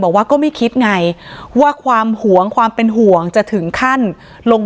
บอกว่าก็ไม่คิดไงว่าความหวงความเป็นห่วงจะถึงขั้นลง